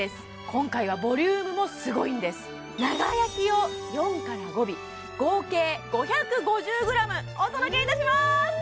今回はボリュームもすごいんです長焼きを４から５尾合計５５０ｇお届けいたします！